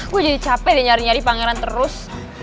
gue jadi capek deh nyari nyari pangeran terus